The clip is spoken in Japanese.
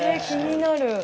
気になる。